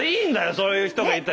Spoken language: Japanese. そういう人がいて。